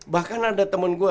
bahkan ada temen gue